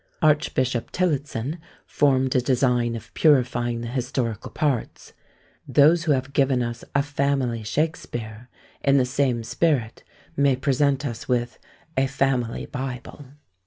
Archbishop Tillotson formed a design of purifying the historical parts. Those who have given us a Family Shakspeare, in the same spirit may present us with a Family Bible.